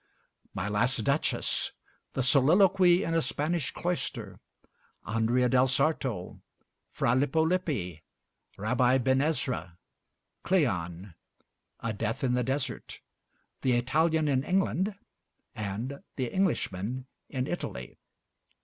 'My Last Duchess,' the 'Soliloquy in a Spanish Cloister,' 'Andrea del Sarto,' 'Fra Lippo Lippi,' 'Rabbi Ben Ezra,' 'Cleon,' 'A Death in the Desert,' 'The Italian in England,' and 'The Englishman in Italy.'